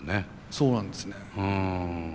そうなんですね。